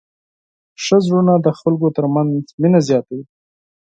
ښه زړونه د خلکو تر منځ مینه زیاتوي.